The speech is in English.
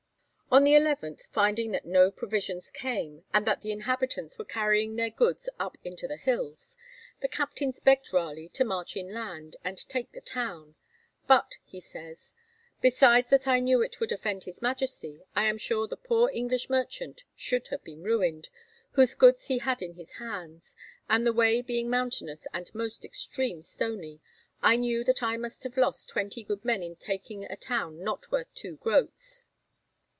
On the 11th, finding that no provisions came, and that the inhabitants were carrying their goods up into the hills, the captains begged Raleigh to march inland and take the town; 'but,' he says, 'besides that I knew it would offend his Majesty, I am sure the poor English merchant should have been ruined, whose goods he had in his hands, and the way being mountainous and most extreme stony, I knew that I must have lost twenty good men in taking a town not worth two groats.'